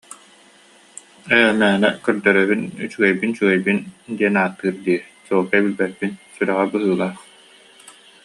Ээ, «мээнэ көрдөрөбүн, үчүгэйбин, үчүгэйбин» диэн ааттыыр дии, чуолкай билбэппин, сүрэҕэ быһыылаах